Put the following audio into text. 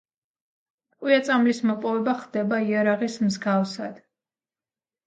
ტყვია-წამლის მოპოვება ხდება იარაღის მსგავსად.